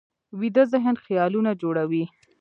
ویده ذهن خیالونه جوړوي